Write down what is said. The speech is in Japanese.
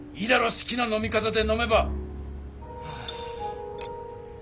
すきな飲み方で飲めば！